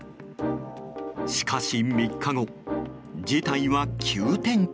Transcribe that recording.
しかし３日後、事態は急展開。